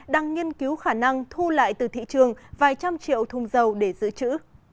đang nghiên cứu khả năng thu lại từ thị trường vài trăm triệu thùng dầu để giữ chữ